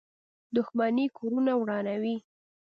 • دښمني کورونه ورانوي.